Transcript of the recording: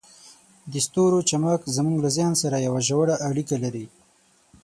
د ستورو چمک زموږ له ذهن سره یوه ژوره اړیکه لري.